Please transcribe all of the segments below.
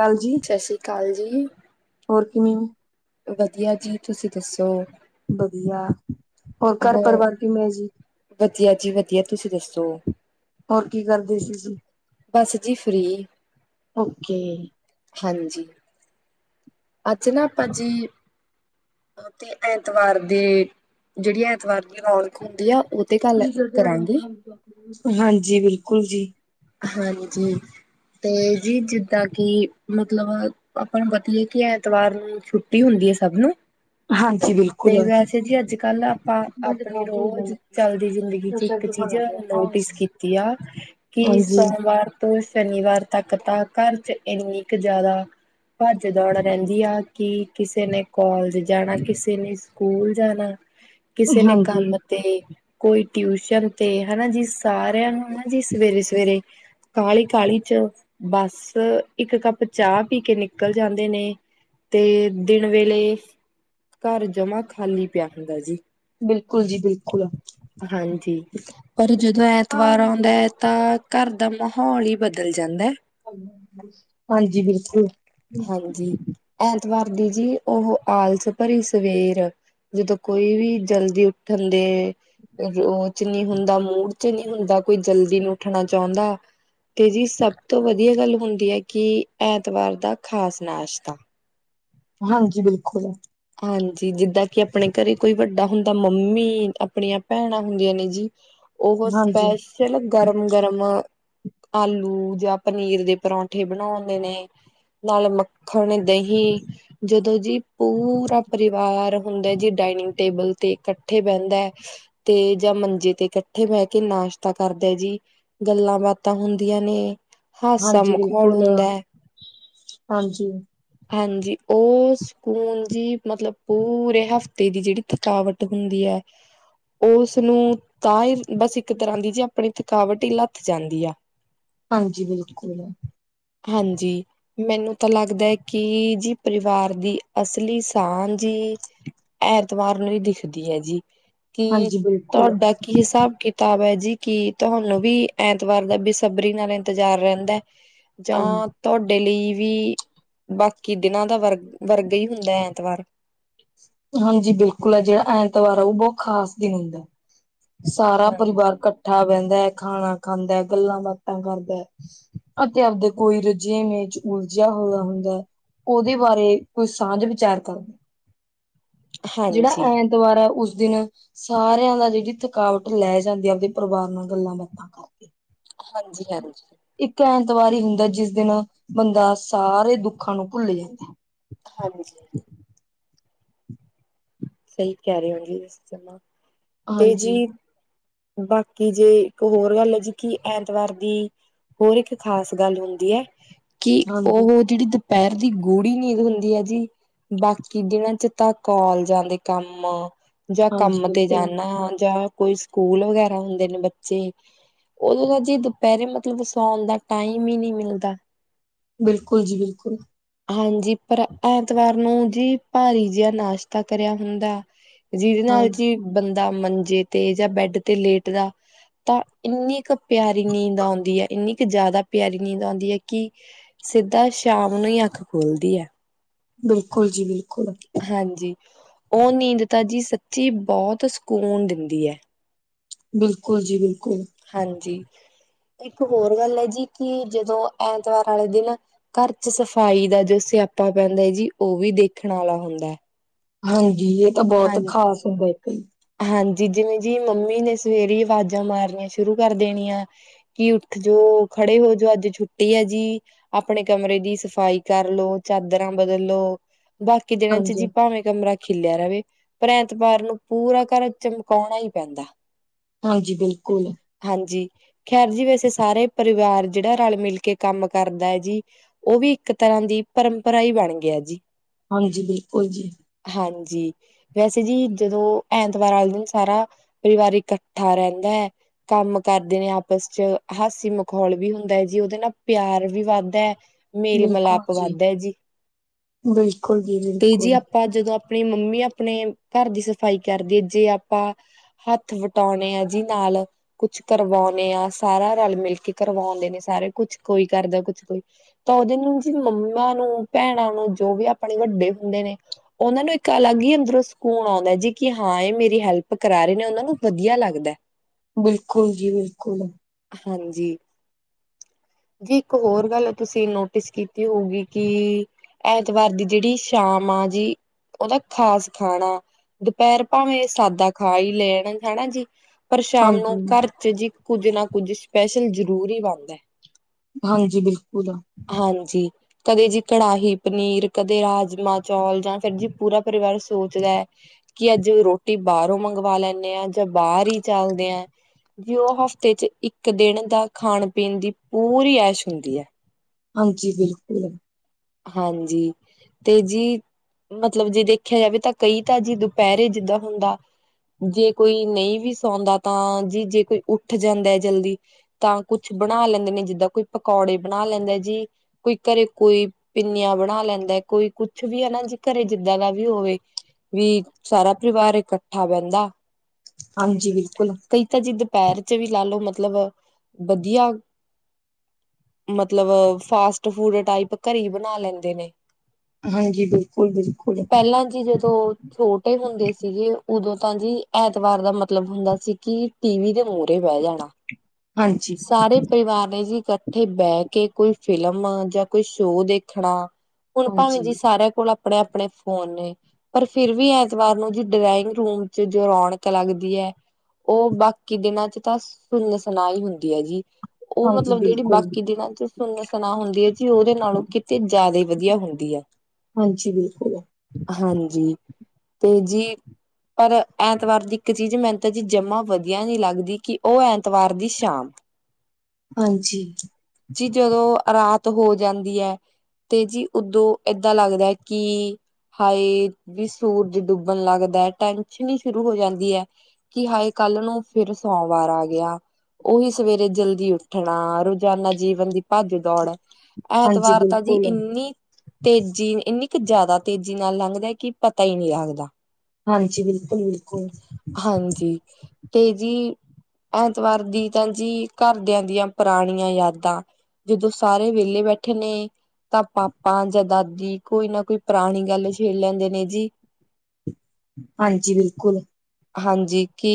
ਹਾਂਜੀ। ਸਤਿ ਸ਼੍ਰੀ ਅਕਾਲ ਜੀ। ਹੋਰ ਕਿਵੇਂ ਓ? ਵਧੀਆ ਜੀ ਤੁਸੀ ਦੱਸੋ? ਵਧੀਆ। ਘਰ ਹੋਰ, ਪਰਿਵਾਰ ਕਿਵੇਂ ਹੈ ਜੀ? ਵਧੀਆ ਜੀ ਵਧੀਆ ਤੁਸੀ ਦੱਸੋ? ਹੋਰ ਕੀ ਕਰਦੀ ਸੀ ਤੂ? ਬਸ ਜੀ ਫ੍ਰੀ। ਹਾਂਜੀ। ਅੱਜ ਨਾ ਆਪਾਂ ਜੀ ਤੇ ਐਤਵਾਰ ਦੇ ਜੇੜੀ ਐਤਵਾਰ ਦੀ ਰੌਣਕ ਹੁੰਦੀ ਆ ਓ ਤੇ ਗੱਲ ਕਰਾਂਗੇ। ਹਾਂਜੀ ਬਿਲਕੁਲ ਜੀ। ਹਾਂਜੀ। ਤੇ ਜੀ ਜਿੱਦਾਂ ਕਿ ਮਤਲਬ ਆਪਾਂ ਨੂੰ ਪਤਾ ਐ ਕਿ ਐਤਵਾਰ ਨੂੰ ਛੁੱਟੀ ਹੁੰਦੀ ਐ ਸਭ ਨੂੰ। ਹਾਂਜੀ ਬਿਲਕੁਲ। ਤੇ ਹਾਂਜੀ ਵੈਸੇ ਜੀ ਅੱਜ ਕੱਲ ਨਾ ਆਪਾਂ ਅਪਣੀ ਹਾਂਜੀ ਰੋਜ ਚਲਦੀ ਜਿੰਦਗੀ ਚ ਇੱਕ ਬਿਲਕੁਲ ਚੀਜ ਨੋਟਿਸ ਕੀਤੀ ਆ ਕਿ ਕਿ ਸੋਮਵਾਰ ਤੋਂ ਸ਼ਨੀਵਾਰ ਤੱਕ ਤਾਂ ਘਰ ਚ ਏਨੀ ਕ ਜਾਦਾ ਭੱਜ ਦੌੜ ਰੈਂਦੀ ਆ ਕਿ ਕਿਸੇ ਨੇ ਕੋਲਜ ਜਾਣਾ, ਕਿਸੇ ਨੇ ਸਕੂਲ ਜਾਣਾ, ਕਿਸੇ ਨੇ ਕੰਮ ਤੇ ਕੋਈ ਟਿਊਸ਼ਨ ਤੇ ਹੈਨਾ ਜੀ ਸਾਰੇਆਂ ਨੂੰ ਹੈਨਾ ਜੀ ਸਵੇਰੇ ਸਵੇਰੇ ਕਾਲੀ ਕਾਲੀ ਚ ਬਸ ਇੱਕ ਕੱਪ ਚਾ ਪੀ ਕੇ ਨਿਕਲ ਜਾਂਦੇ ਨੇ। ਤੇ ਦਿਨ ਵੇਲੇ ਘਰ ਜਮਾ ਖਾਲੀ ਪੇਆ ਹੁੰਦਾ ਜੀ। ਜੀ ਬਿਲਕੁਲ। ਹਾਂਜੀ। ਪਰ ਜਦੋਂ ਐਤਵਾਰ ਆਂਓਦਾ ਐ ਤਾਂ ਘਰ ਦਾ ਮਹੌਲ ਈ ਬਦਲ ਜਾਂਦੈ। ਹਾਂਜੀ, ਬਿਲਕੁਲ। ਹਾਂਜੀ, ਐਤਵਾਰ ਦੀ ਜੀ ਓਹ ਆਲਸ ਭਰੀ ਸਵੇਰ ਜਦੋਂ ਕੋਈ ਵੀ ਜਲਦੀ ਉੱਠਣ ਦੇ ਕਿਉਂਕਿ ਉਂ ਚ ਨੀ ਹੁੰਦਾ, ਮੂੜ ਚ ਨੀ ਹੁੰਦਾ, ਕੋਈ ਜਲਦੀ ਨੀ ਉੱਠਣਾ ਚੋਂਦਾ। ਤੇ ਜੀ ਸਭ ਤੋਂ ਵਧੀਆ ਗੱਲ ਹੁੰਦੀ ਐ ਕਿ ਐਤਵਾਰ ਦਾ ਖ਼ਾਸ ਨਾਸ਼ਤਾ। ਹਾਂਜੀ, ਬਿਲਕੁਲ। ਹਾਂਜੀ, ਜਿੱਦਾਂ ਕਿ ਅਪਣੇ ਘਰੇ ਕੋਈ ਵੱਡਾ ਹੁੰਦਾ ਮੰਮੀ, ਅਪਣੀਆਂ ਭੈਣਾਂ ਹੁੰਦੀਆਂ ਨੇ ਜੀ। ਓਹ ਹਾਂਜੀ। ਸਪੈਸ਼ਲ ਗਰਮ-ਗਰਮ ਆਲੂ ਜਾਂ ਪਨੀਰ ਦੇ ਪਰੌਠੇ ਬਣੋੰਦੇ ਨੇ। ਨਾਲ ਮੱਖਣ, ਦਹੀਂ ਜਦੋਂ ਜੀ ਪੂ ਤਾ ਪਰਿਵਾਰ ਹੁੰਦੈ ਜੀ ਡਾਇਨਿੰਗ ਟੇਬਲ ਤੇ ਕੱਠੇ ਬੈੰਦੈ। ਤੇ ਜਾਂ ਮੰਜੇ ਤੇ ਕੱਠੇ ਬੈ ਕੇ ਨਾਸ਼ਤਾ ਕਰਦੈ ਜੀ। ਗੱਲਾਂ-ਬਾਤਾਂ ਹੁੰਦੀਆਂ ਨੇ। ਹਾਸਾ ਹਾਂਜੀ ਮਖੌਲ ਬਿਲਕੁਲ ਹੁੰਦੈ। ਹਾਂਜੀ ਹਾਂਜੀ, ਓ ਸਕੂਨ ਜੀ ਮਤਲਬ ਪੂਰੇ ਹਫ਼ਤੇ ਦੀ ਜੇੜੀ ਥਕਾਵਟ ਹੁੰਦੀ ਐ, ਓਸਨੂੰ ਤਾਂ ਈ ਬਸ ਇੱਕ ਤਰ੍ਹਾਂ ਦੀ ਜੇ ਅਪਣੀ ਥਕਾਵਟ ਈ ਲੱਥ ਜਾਂਦੀ ਆ। ਹਾਂਜੀ, ਬਿਲਕੁਲ। ਹਾਂਜੀ, ਮੈਨੂੰ ਤਾਂ ਲੱਗਦੈ ਕਿ ਜੀ ਪਰਿਵਾਰ ਦੀ ਅਸਲੀ ਤਾਣ ਜੀ ਐਤਵਾਰ ਨੂੰ ਈ ਦਿਖਦੀ ਹੈ ਜੀ। ਕੀ ਹਾਂਜੀ ਬਿਲਕੁਲ। ਤੋਡਾ ਕੀ ਹਿਸਾਬ ਕਿ ਤਾਬ ਐ ਜੀ, ਕਿ ਤੁਹਾਨੂੰ ਵੀ ਐਤਵਾਰ ਦਾ ਬੇਸਬਰੀ ਨਾਲ ਇੰਤਜ਼ਾਰ ਰੈੰਦੈ? ਹਾਂ ਯਾ ਤੋਡੇ ਲਈ ਵੀ ਬਾਕੀ ਦਿਨਾਂ ਦਾ ਵਰਗ ਵਰਗੈ ਹੀ ਹੁੰਦੈ। ਤਵਾਰ। ਹਾਂਜੀ, ਬਿਲਕੁਲ ਆ ਜੇਆ ਐਤਵਾਰ ਆਉ ਬੋਹ ਖ਼ਾਸ ਦਿਨ ਹੁੰਦੈ। ਸਾਰਾ ਹਾਂਜੀ ਪਰਿਵਾਰ ਕੱਠਾ ਬੈੰਦੈ, ਖਾਣਾ ਖਾਂਦੈ, ਗੱਲਾਂ-ਬਾਤਾਂ ਕਰਦੈ। ਅਤੇ ਆਪਦੇ ਕੋਈ ਰਜੇਂਵੇੇ ਚ ਉਲਝਿਆ ਹੋਇਆ ਹੁੰਦੈ। ਓਦੇ ਬਾਰੇ ਕੋਈ ਸਾਂਝ ਵਿਚਾਰ ਕਰੋ। ਜੇੜਾ ਹਾਂਜੀ ਐਂਤਵਾਰ ਐ ਉਸ ਦਿਨ ਸਾਰਿਆਂ ਦਾ ਜੇਜੀ ਥਕਾਵਟ ਲੈ ਜਾਂਦੀ ਆ ਆਪਦੇ ਪਰਿਵਾਰ ਨਾਲ ਗੱਲਾਂ-ਬਾਤਾਂ ਕਰਕੇ। ਹਾਂਜੀ, ਹਾਂਜੀ। ਇੱਕ ਐਂਤਵਾਰ ਈ ਹੁੰਦੈ ਜਿਸ ਦਿਨ ਬੰਦਾ ਸਾਰੇ ਦੁੱਖਾਂ ਨੂੰ ਭੁੱਲ ਜਾਂਦੈ। ਹਾਂਜੀ। ਸਹੀ ਕੈਹ ਰੇ ਔ ਵੈਸੇ ਤੋ ਨੋ, ਤੇ ਹਾਂਜੀ, ਜੀ ਬਾਕੀ ਜੇ ਇੱਕ ਹੋਰ ਗੱਲ ਐ ਜੀ ਕਿ ਐਂਤਵਾਰ ਦੀ ਹੋਰ ਇੱਕ ਖ਼ਾਸ ਗੱਲ ਹੁੰਦੀ ਐ ਕਿ ਓਹ ਹਾਂਜੀ, ਜੇੜੀ ਦੁ ਪੈਰ ਦੀ ਗੂੜੀ ਨੀਂਦ ਹੁੰਦੀ ਐ ਜੀ ਬਾਕੀ ਦਿੰਨਾਂ ਚ ਤਾਂ ਕੋਲਜਾਂ ਦੇ ਕੰਮ ਯਾ ਹਾਂਜੀ ਕੰਮ ਤੇ ਬਿਲਕੁਲ, ਜਾਂਣੈ ਜਾਂ ਕੋਈ ਸਕੂਲ ਵਗੈਰਾ ਹੁੰਦੇ ਨੇ ਬੱਚੇ। ਓਈ ਨਾ ਜੀ ਦੁਪੈਰੇ ਮਤਲਬ ਸੋਣ ਦਾ ਟਾਈਮ ਈ ਨੀ ਮਿਲਦਾ। ਬਿਲਕੁਲ ਜੀ ਬਿਲਕੁਲ। ਹਾਂਜੀ, ਪਰ ਐਤਵਾਰ ਨੂੰ ਜੀ ਭਾਰੀ ਜਿਆ ਨਾਸ਼ਤਾ ਕਰਿਆ ਹੁੰਦਾ। ਜਿਦੇ ਹਾਂ ਨਾਲ ਜੀ ਬੰਦਾ ਮੰਜੇ ਤੇ ਜਾਂ ਬੈਡ ਤੇ ਲੇਟ ਦਾ ਤਾਂ ਇੰਨੀ ਕ ਪਿਆਰੀ ਨੀਂਦ ਆਉਂਦੀ ਐ ਇੰਨੀ ਕ ਜੈਦਾ ਪਿਆਰੀ ਨੀਂਦ ਔੰਦੀ ਐ ਕਿ ਸਿੱਧਾ ਸ਼ਾਮ ਨੂੰ ਈ ਅੱਖ ਖੂਲਦੀ ਐ। ਬਿਲਕੁਲ ਜੀ ਬਿਲਕੁਲ। ਹਾਂਜੀ, ਓਹ ਨੀਂਦ ਤਾ ਜੀ ਸੱਚੀ ਬੌਤ ਸਕੂਨ ਦਿੰਦੀ ਐ। ਬਿਲਕੁਲ ਜੀ ਬਿਲਕੁਲ। ਹਾਂਜੀ, ਇੱਕ ਹੋਰ ਗੱਲ ਐ ਜੀ ਕਿ ਜਦੋਂ ਐਤਵਾਰ ਆਲੇ ਦਿਨ ਘਰ ਚ ਸਫ਼ਾਈ ਦਾ ਜੋ ਸਿਆਪਾ ਪੈਂਦਾ ਹੈ ਜੀ, ਉਹ ਵੀ ਦੇਖਣ ਵਾਲਾ ਹੁੰਦਾ ਹੈ ਹਾਂਜੀ ਇਹ ਤਾਂ ਬਹੁਤ ਹਾਂਜੀ ਖ਼ਾਸ ਹੁੰਦਾ ਇੱਕ ਹੀ ਹਾਂਜੀ ਜਿਵੇਂ ਜੀ ਮੰਮੀ ਨੇ ਸਵੇਰੇ ਆਵਾਜ਼ਾਂ ਮਾਰਨੀਆਂ ਸ਼ੁਰੂ ਕਰ ਦੇਣੀਆਂ ਕੀ ਉੱਠ ਜੋ, ਖੜੇ ਹੋ ਜੋ ਅੱਜ ਛੁੱਟੀ ਆ ਜੀ ਆਪਣੇ ਕਮਰੇ ਦੀ ਸਫ਼ਾਈ ਕਰ ਲੋ, ਚਾਦਰਾਂ ਬਦਲ ਲੋ ਬਾਕੀ ਦਿਨਾਂ ਚ ਹਾਂਜੀ ਜੀ ਭਾਵੇਂ ਕਮਰਾ ਖਿਲੇਆ ਰਵੇ, ਪਰ ਐਤਵਾਰ ਨੂੰ ਪੂਰਾ ਘਰ ਚਮਕਾਉਣਾ ਹੀ ਪੈਂਦਾ ਹਾਂਜੀ ਬਿਲਕੁਲ ਹਾਂਜੀ ਖੈਰ ਜੀ ਵੈਸੇ ਸਾਰੇ ਪਰਿਵਾਰ ਜਿਹੜਾ ਰਲ ਮਿਲ ਕੇ ਕੰਮ ਕਰਦਾ ਹੈ ਜੀ ਉਹ ਵੀ ਇੱਕ ਤਰ੍ਹਾਂ ਦੀ ਪਰੰਪਰਾ ਹੀ ਬਣ ਗਈ ਐ ਜੀ ਹਾਂਜੀ ਬਿਲਕੁਲ ਜੀ ਹਾਂਜੀ ਵੈਸੇ ਜੀ ਜਦੋਂ ਐਤਵਾਰ ਵਾਲੇ ਦਿਨ ਸਾਰਾ ਪਰਿਵਾਰ ਇਕੱਠਾ ਰਹਿੰਦਾ ਹੈ ਕੰਮ ਕਰਦੇ ਨੇ ਆਪਸ ਚ ਹਾਸੀ ਮਖੌਲ ਵੀ ਹੁੰਦਾ ਹੈ ਜੀ, ਉਹਦੇ ਨਾਲ ਪਿਆਰ ਵੀ ਵੱਧਦਾ ਹੈ ਮੇਲ ਮਿਲਾਪ ਵੱਧਦਾ ਜੀ, ਬਿਲਕੁਲ ਜੀ ਤੇ ਜੀ ਬਿਲਕੁਲ ਆਪ ਆਪਾਂ ਜਦੋਂ ਆਪਣੀ ਮੰਮੀ ਆਪਣੇ ਘਰ ਦੀ ਸਫ਼ਾਈ ਕਰਦੀ ਹੈ, ਜੇ ਆਪਾਂ ਹੱਥ ਵਟਾਉਣੇ ਐ ਜੀ ਨਾਲ ਕੁਛ ਕਰਵਾਉਂਦੇ ਆ ਸਾਰਾ ਰਲ ਮਿਲ ਕੇ ਕਰਵਾਉਂਦੇ ਨੇ ਸਾਰੇ, ਕੁਛ ਕੋਈ ਕਰਦਾ ਕੁਛ ਕੋਈ ਤਾਂ ਉਹਦੇ ਨੂੰ ਜ ਮੰਮਾ ਨੂੰ, ਭੈਣਾਂ ਨੂੰ ਜੋ ਵੀ ਆਪਣੇ ਵੱਡੇ ਹੁੰਦੇ ਨੇ ਉਹਨਾਂ ਨੂੰ ਇੱਕ ਅਲੱਗ ਹੀ ਅੰਦਰੋਂ ਸਕੂਨ ਆਉਂਦਾ ਜੀ ਕਿ ਹਾਂ ਇਹ ਮੇਰੀ ਹੈਲਪ ਕਰਾ ਰਹੇ ਨੇ, ਉਹਨਾਂ ਨੂੰ ਵਧੀਆ ਲੱਗਦਾ ਬਿਲਕੁਲ ਜੀ ਬਿਲਕੁਲ ਹਾਂਜੀ ਜੀ ਇੱਕ ਹੋਰ ਗੱਲ ਤੁਸੀਂ ਨੋਟਿਸ ਕੀਤੀ ਹੋਊਗੀ ਕਿ ਐਤਵਾਰ ਦੀ ਜਿਹੜੀ ਸ਼ਾਮ ਆ ਜੀ, ਉਹਦਾ ਖ਼ਾਸ ਖਾਣਾ ਦੁਪਹਿਰ ਭਾਵੇਂ ਸਾਦਾ ਖਾ ਹੀ ਲੈਣ ਹੈਣਾ ਜੀ, ਪਰ ਸ਼ਾਮ ਹਾਂਜੀ ਨੂੰ ਘਰ ਚ ਜੀ ਕੁੱਝ ਨਾ ਕੁੱਝ ਸਪੈਸ਼ਲ ਜ਼ਰੂਰੀ ਹੀ ਬਣਦਾ ਹਾਂਜੀ ਬਿਲਕੁਲ ਆ ਹਾਂਜੀ ਕਦੇ ਜੀ ਕੜਾਹੀ ਪਨੀਰ ਕਦੇ ਰਾਜਮਾਂ ਚੌਲ, ਜਾਂ ਫਿਰ ਜੀ ਪੂਰਾ ਪਰਿਵਾਰ ਸੋਚਦਾ ਹੈ ਕਿ ਅੱਜ ਰੋਟੀ ਬਾਹਰੋਂ ਮੰਗਵਾ ਲੈਂਨੇ ਆਂ, ਜਾਂ ਬਾਹਰ ਹੀ ਚੱਲਦੇ ਆ ਜ ਉਹ ਹਫਤੇ ਚ ਇੱਕ ਦਿਨ ਦਾ ਖਾਣ ਪੀਣ ਦੀ ਪੂਰੀ ਐਸ਼ ਹੁੰਦੀ ਹੈ ਹਾਂਜੀ ਬਿਲਕੁਲ ਹਾਂਜੀ ਤੇ ਜੀ ਮਤਲਬ ਜੇ ਦੇਖਿਆ ਜਾਵੇ ਤਾਂ ਕਈ ਤਾਂ ਜੀ ਦੁਪਹਿਰੇ ਜਿੱਦਾਂ ਹੁੰਦਾ ਜੇ ਕੋਈ ਨਹੀਂ ਵੀ ਸੌਂਦਾ ਤਾਂ, ਜੀ ਜੇ ਕੋਈ ਉੱਠ ਜਾਂਦਾ ਹੈ ਜਲਦੀ ਤਾਂ ਕੁਛ ਬਣਾ ਲੈਂਦੇ ਨੇ ਜਿੱਦਾਂ ਕੋਈ ਪਕੌੜੇ ਬਣਾ ਲੈਂਦਾ ਜੀ, ਕੋਈ ਘਰੇ ਕੋਈ ਪਿੰਨੀਆਂ ਬਣਾ ਲੈਂਦਾ, ਕੋਈ ਕੁਛ ਵੀ ਹੈ ਨਾ ਜੀ ਘਰੇ ਜਿੱਦਾਂ ਦਾ ਵੀ ਹੋਵੇ ਵੀ ਸਾਰਾ ਪਰਿਵਾਰ ਇਕੱਠਾ ਬਹਿੰਦਾ ਹਾਂਜੀ ਬਿਲਕੁਲ ਕਹੀਤਾ ਜੀ ਦੁਪਹਿਰ ਚ ਵੀ ਲਾ ਲੋੋ ਮਤਲਬ ਵਧੀਆ ਮਤਲਬ ਫਾਸਟ ਫੂਡ ਟਾਈਪ ਘਰੀ ਬਣਾ ਲੈਂਦੇ ਨੇ। ਹਾਂਜੀ ਬਿਲਕੁਲ, ਬਿਲਕੁਲ। ਹਾਂਜੀ ਜਦੋਂ ਛੋਟੇ ਹੁੰਦੇ ਸੀਗੇ ਉਦੋਂ ਤਾਂ ਜੀ ਐਤਵਾਰ ਦਾ ਮਤਲਬ ਹੁੰਦਾ ਸੀ, ਕਿ ਟੀਵੀ ਦੇ ਮੋਹਰੇ ਬਹਿ ਜਾਣਾ। [unintelligible] ਹਾਂਜੀ ਸਾਰੇ ਪਰਿਵਾਰ ਨੇ ਜੀ ਇਕੱਠੇ ਬਹਿ ਕੇ ਕੋਈ ਫਿਲਮ ਜਾਂ ਕੋਈ ਸ਼ੋਅ ਦੇ ਖਣਾ ਹੁਣ ਭਾਵੇਂ ਹਾਂਜੀ ਜੀ ਸਾਰਿਆਂ ਕੋਲ ਆਪਣੇ ਆਪਣੇ ਫੋਨ ਨੇ ਪਰ ਫਿਰ ਵੀ ਐਤਵਾਰ ਨੂੰ ਜੀ ਡਰਾਇੰਗ ਰੂਮ ਚ ਜੋ ਰੌਣਕ ਲੱਗਦੀ ਹੈ ਉਹ ਬਾਕੀ ਦਿਨਾਂ ਚ ਤਾਂ ਸੁਨਸਾਨਈ ਹੀ ਹੁੰਦੀ ਹੈ ਜੀ। ਉਹ ਹਾਂਜੀ ਮਤਲਬ ਜਿਹੜੀ ਬਿਲਕੁਲ ਬਾਕੀ ਦਿਨਾਂ ਚ ਸੁਨ ਸੁਨਾ ਹੁੰਦੀ ਹੈ ਜੀ ਉਹਦੇ ਨਾਲੋਂ ਕਿ ਤੇ ਜ਼ਿਆਦਾ ਵਧੀਆ ਹੁੰਦੀ ਆ ਹਾਂਜੀ ਬਿਲਕੁਲ ਹਾਂਜੀ। ਤੇ ਜੀ ਪਰ ਐਤਵਾਰ ਦੀ ਇੱਕ ਚੀਜ਼ ਮੈਨੂੰ ਤਾਂ ਜੀ ਜੰਮਾ ਵਧੀਆ ਨਹੀਂ ਲੱਗਦੀ ਕਿ ਉਹ ਐਤਵਾਰ ਦੀ ਸ਼ਾਮ। [unintelligible] ਹਾਂਜੀ। ਜੀ ਜਦੋਂ ਰਾਤ ਹੋ ਜਾਂਦੀ ਹੈ ਤੇ ਜੀ ਉਓਦੋਂ ਏਦਾਂ ਲੱਗਦਾ ਹੈ ਕਿ ਹਾਏ ਵੀ ਸੂਰਜ ਡੁੱਬਣ ਲੱਗਦਾ ਹੈ ਟੈਸ਼ਨ ਹੀ ਸ਼ੁਰੂ ਹੋ ਜਾਂਦੀ ਹੈ। ਕਿ ਹਾਏ ਕੱਲ ਨੂੰ ਫਿਰ ਸੋਮਵਾਰ ਆ ਗਿਆ। ਉਹੀ ਸਵੇਰੇ ਜਲਦੀ ਉੱਠਣਾ ਰੋਜ਼ਾਨਾ ਜੀਵਨ ਦੀ ਭੱਜ ਦੌੜ ਹਾਂਜੀ ਐਤਵਾਰ ਤਾਂ ਬਿਲਕੁਲ। ਇੰਨੀ ਤੇਜ਼ੀ ਇੰਨੀ ਕੁ ਜ਼ਿਆਦਾ ਤੇਜ਼ੀ ਨਾਲ ਲੰਘਦਾ ਕਿ ਪਤਾ ਹੀ ਨਹੀਂ ਲੱਗਦਾ। ਹਾਂਜੀ ਬਿਲਕੁਲ ਬਿਲਕੁਲ। ੀ [unintelligible] ਤੇ ਜੀ ਐਤਵਾਰ ਦੀ ਤਾਂ ਜੀ ਘਰਦਿਆਂ ਦੀਆਂ ਪੁਰਾਣੀਆਂ ਯਾਦਾਂ ਜਦੋਂ ਸਾਰੇ ਵਿਹਲੇ ਬੈਠੇ ਨੇ ਤਾਂ ਪਾਪਾ ਜਾਂ ਦਾਦੀ ਕੋਈ ਨਾ ਕੋਈ ਪੁਰਾਣੀ ਗੱਲ ਛੇੜ ਲੈਂਦੇ ਨੇ ਜੀ। [unintelligible] ਹਾਂਜੀ ਬਿਲਕੁਲ। ਹਾਂਜੀ ਕੀ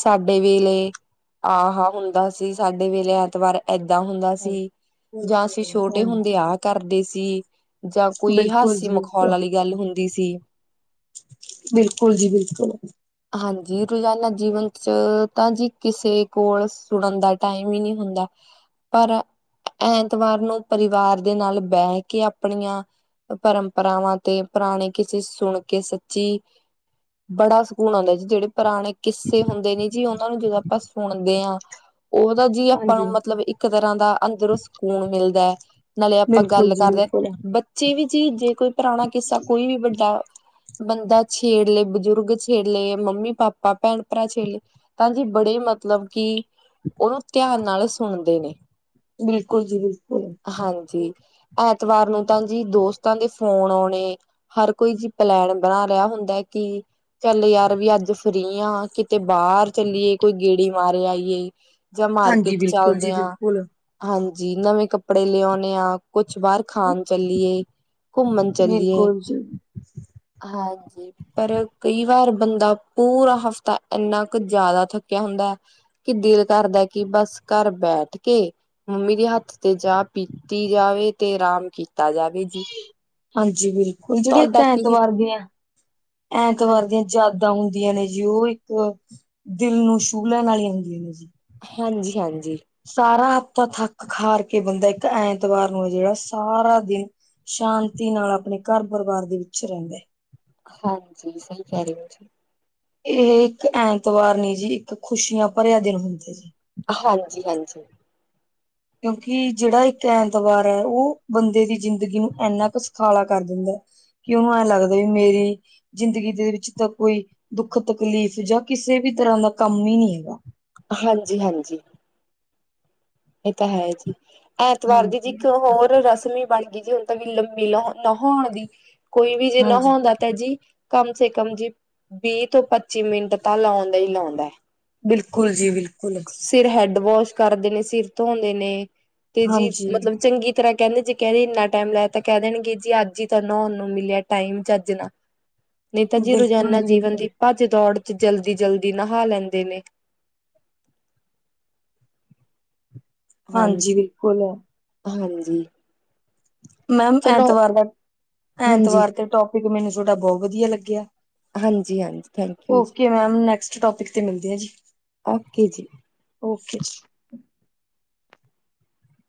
ਸਾਡੇ ਵੇਲੇ ਆਹ ਹੁੰਦਾ ਸੀ ਸਾਡੇ ਵੇਲੇ ਐਤਵਾਰ ਏਦਾਂ ਹੁੰਦਾ ਹਾਂ, ਸੀ ਜਾਂ ਅਸੀਂ ਛੋਟੇ ਹੁੰਦੇ ਆਹ ਕਰਦੇ ਸੀ। ਜਾਂ ਕੋਈ ਬਿਲਕੁਲ ਹਾਸੇ ਜੀ ਮਖੌਲ ਬਿਲਕੁਲ ਵਾਲੀ ਗੱਲ ਹੁੰਦੀ ਸੀ। ਬਿਲਕੁਲ ਜੀ ਬਿਲਕੁਲ। ਹਾਂਜੀ ਰੋਜ਼ਾਨਾ ਜੀਵਨ ਚ ਤਾਂ ਜੀ ਕਿਸੇ ਕੋਲ ਸੁਣਨ ਦਾ ਟਾਈਮ ਹੀ ਨਹੀਂ ਹੁੰਦਾ, ਪਰ ਐਤਵਾਰ ਨੂੰ ਪਰਿਵਾਰ ਦੇ ਨਾਲ ਬਹਿ ਕੇ ਆਪਣੀਆਂ ਪਰੰਪਰਾਵਾਂ ਤੇ ਪੁਰਾਣੇ ਕਿਸੇ ਸੁਣ ਕੇ ਸੱਚੀ ਬੜਾ ਸਕੂਨ ਆਉਂਦਾ ਜੀ ਜਿਹੜੇ ਪੁਰਾਣੇ ਕਿੱਸੇ ਹੁੰਦੇ ਨੇ ਜੀ ਉਹਨਾਂ ਨੂੰ ਜਦੋਂ ਆਪਾਂ ਸੁਣਦੇ ਹਾਂ ਉਹਦਾ ਜੀ ਆਪਾਂ ਹਾਂਜੀ। ਨੂੰ ਮਤਲਬ ਇੱਕ ਤਰ੍ਹਾਂ ਦਾ ਅੰਦਰੋਂ ਸਕੂਨ ਮਿਲਦਾ। ਨਾਲੇ ਆਪਾਂ ਬਿਲਕੁਲ ਗੱਲ ਜੀ ਕਰਦੇ ਬਿਲਕੁਲ, ਹਾਂ ਬੱਚੇ ਵੀ ਜੀ ਜੇ ਕੋਈ ਪੁਰਾਣਾ ਕਿੱਸਾ ਕੋਈ ਵੀ ਵੱਡਾ ਬੰਦਾ ਛੇੜ ਲਏ ਬਜ਼ੁਰਗ ਛੇੜ ਲਏ ਮੰਮੀ ਪਾਪਾ ਭੈਣ ਭਰਾ ਛੇੜ ਲਏ। ਤਾਂ ਜੀ ਬੜੇ ਮਤਲਬ ਕਿ ਉਹਨੂੰ ਧਿਆਨ ਨਾਲ ਸੁਣਦੇ ਨੇ। ਬਿਲਕੁਲ ਜੀ ਬਿਲਕੁਲ। ਹਾਂਜੀ, ਐਤਵਾਰ ਨੂੰ ਤਾਂ ਜੀ ਦੋਸਤਾਂ ਦੇ ਫੋਨ ਔਣੇ ਹਰ ਕੋਈ ਜੀ ਪਲੈਨ ਬਣਾ ਰਿਹਾ ਹੁੰਦਾ, ਕਿ ਚੱਲ ਯਾਰ ਵੀ ਅੱਜ ਫ੍ਰੀ ਆਂ, ਕਿਤੇ ਬਾਹਰ ਚੱਲੀਏ ਕੋਈ ਗੇੜੀ ਮਾਰ ਆਈਏ। ਜਾਂ, ਹਾਂਜੀ ਮਾਰਕੀਟ ਬਿਲਕੁਲ ਚਲਦੇ ਜੀ ਆਂ। ਬਿਲਕੁਲ। ਹਾਂਜੀ, ਨਵੇਂ ਕੱਪੜੇ ਲਿਆਉਂਨੇ ਆ, ਕੁਛ ਬਾਹਰ ਖਾਣ ਚੱਲੀਏ। ਘੁੰਮਨ ਚੱਲੀਏ, ਬਿਲਕੁਲ ਜੀ, ਹਾਂਜੀ। ਪਰ, ਕਈ ਵਾਰ ਬੰਦਾ ਪੂਰਾ ਹਫ਼ਤਾ ਇੰਨਾ ਕ ਜ਼ਿਆਦਾ ਥੱਕਿਆ ਹੁੰਦਾ। ਕੀ ਦਿਲ ਕਰਦਾ ਕਿ, ਬਸ ਘਰ ਬੈਠਕੇ ਮੰਮੀ ਦੇ ਹੱਥ ਤੇ ਚਾ ਪੀ ਕੀਤੀ ਜਾਵੇ, ਤੇ ਅਰਾਮ ਕੀ ਹਾਂਜੀ, ਬਿਲਕੁਲ ਜਿਹੜੇ ਤੁਹਾਡਾ ਕੀ ਐਤਵਾਰ ਦੀਆਂ, ਐਤਵਾਰ ਦੀਆਂ ਹਾਂਜੀ ਚਾ ਹੁੰਦੀਆਂ ਨੇ ਜੀ ਉਹ ਇੱਕ, ਦਿਲ ਨੂੰ ਛੂਹ ਲੈਣ ਵਾਲੀਆਂ ਹੁੰਦੀਆਂ ਨੇ ਜੀ। ਹਾਂਜੀ-ਹਾਂਜੀ। ਸਾਰਾ ਹਫ਼ਤਾ ਥੱਕ ਖਾਰ ਕੇ, ਬੰਦਾ ਇੱਕ ਐਤਵਾਰ ਨੂੰ ਹੈ ਜਿਹੜਾ ਸਾਰਾ ਦਿਨ ਸ਼ਾਂਤੀ ਨਾਲ ਆਪਣੇ ਘਰ-ਪਰਿਵਾਰ ਦੇ ਵਿੱਚ ਰਹਿੰਦੈ। ਹਾਂਜੀ, ਸਹੀ ਕਹਿ ਰਹੇ ਓ ਜੀ। ਇਹ ਇੱਕ ਐਂਤਵਾਰ ਨੀ ਜੀ, ਇੱਕ ਖੁਸ਼ੀਆਂ ਭਰਿਆ ਦਿਨ ਹੁੰਦਾ ਜੀ। ਹਾਂਜੀ-ਹਾਂਜੀ। ਕਿਉਂਕਿ ਜਿਹੜਾ ਇੱਕ ਐਂਤਵਾਰ ਐ, ਉਹ ਬੰਦੇ ਦੀ ਜ਼ਿੰਦਗੀ ਨੂੰ ਇੰਨਾ ਕ ਸੁਖਾਲਾ ਕਰ ਦਿੰਦਾ ਏ। ਕਿਉਂ ਐਂ ਲੱਗਦਾ, ਵੀ ਮੇਰੀ ਜ਼ਿੰਦਗੀ ਦੇ ਵਿੱਚ ਤਾ ਕੋਈ ਦੁੱਖ-ਤਕਲੀਫ਼ ਜਾ ਕਿਸੇ ਵੀ ਤਰ੍ਹਾਂ ਦਾ ਕੰਮ ਈ ਨਹੀਂ ਹੈਗਾ। ਹਾਂਜੀ‌-ਹਾਂਜੀ। ਇਹ ਤਾਂ ਹੈ ਜੀ, ਐਤਵਾਰ ਦੀ ਜੀ ਇੱਕ ਹਾਂਜੀ ਹੋਰ ਰਸਮ ਈ ਬਣ ਗਈ ਜੀ ਹੁਣ ਵੀ ਲੰਬੀ ਨਾ ਨਹੌਣ ਦੀ, ਕੋਈ ਵੀ ਜੇ ਹਾਂਜੀ ਨਹੋਨ ਦਾ ਤੈ ਜੀ, ਕਮ ਸੇ ਕਮ ਜੀ ਵੀਹ ਤੋਂ ਪੱਚੀ ਮਿੰਟ ਤਾਂ ਲਾਉਂਦਾ ਈ ਲਾਉਂਦਾ। ਬਿਲਕੁਲ ਜੀ, ਬਿਲਕੁਲ। ਸਿਰ ਹੈਡ ਵੌਸ਼ ਕਰਦੇ ਨੇ, ਸਿਰ ਧੋਂਦੇ ਨੇ, ਤੇ ਜੀ ਹਾਂਜੀ ਮਤਲਬ ਚੰਗੀ ਤਰ੍ਹਾਂ ਕਹਿੰਦੇ ਜੇ ਕਹਿੰਦੇ, ਇੰਨਾ ਟਾਈਮ ਲਾਇਆ ਤਾਂ ਕਹਿ ਦੇਣਗੇ ਜੀ ਅੱਜ ਈ ਤਾ ਨਹਾਉਣ ਨੂੰ ਮਿਲਿਆ ਟਾਈਮ ਚੱਜ ਨਾਲ। ਨਹੀਂ ਤਾ ਜੀ, ਬਿਲਕੁਲ ਰੋਜ਼ਾਨਾ ਜੀ ਜੀਵਨ ਬਿਲਕੁਲ ਦੀ ਭੱਜ-ਦੌੜ'ਚ ਜਲਦੀ-ਜਲਦੀ ਨਹਾ ਲੈਂਦੇ ਨੇ। ਹਾਂਜੀ, ਹਾਂਜੀ। ਮੈਮ ਚਲੋ ਐਂਤਵਾਰ ਦਾ, ਹਾਂਜੀ, ਐਂਤਵਾਰ ਤੇ ਟੋਪਿਕ ਮੈਨੂੰ ਸੋਡਾ ਬਹੁਤ ਵਧੀਆ ਲੱਗਿਆ। ਹਾਂਜੀ, ਹਾਂਜੀ ਥੈਂਕ ਯੂ ਜੀ। ਓਕੇ ਮੈਮ, ਨੈਕਸਟ ਟੌਪਿਕ ਤੇ ਮਿਲਦੇ ਆਂ ਜੀ। ਓਕੇ ਜੀ। ਓਕੇ ਜੀ।